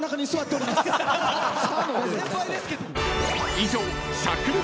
［以上］